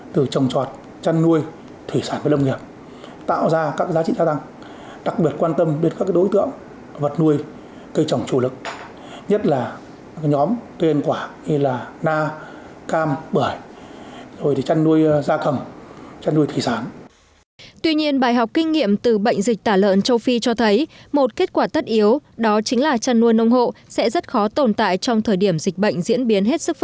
tuy nhiên bài học kinh nghiệm từ bệnh dịch tả lợn châu phi cho thấy một kết quả tất yếu đó chính là chăn nuôi nông hộ sẽ rất khó tồn tại trong thời điểm dịch bệnh diễn biến hết sức